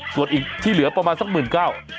ส่วนอีกที่เหลือประมาณสักหมื่นเก้า